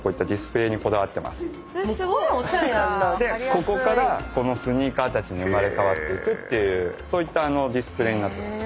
ここからこのスニーカーたちに生まれ変わっていくっていうそういったディスプレーになってます。